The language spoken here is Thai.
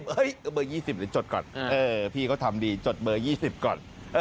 เบอร์๒๐หรือจดก่อนพี่เขาทำดีจดเบอร์๒๐ก่อน